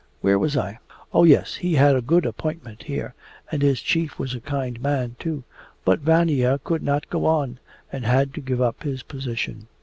'Where was I? Oh yes, he had a good appointment here, and his chief was a kind man too. But Vanya could not go on, and had to give up his position.